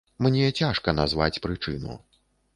Мне цяжка назваць прычыну.